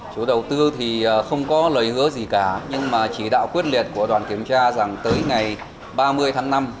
chủ đầu tư thì không có lời hứa gì cả nhưng mà chỉ đạo quyết liệt của đoàn kiểm tra rằng tới ngày ba mươi tháng năm